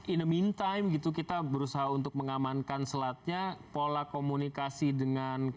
in the meantime kita berusaha untuk mengamankan selatnya pola komunikasi dengan